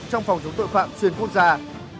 trong phòng chống tội phạm xuyên quốc gia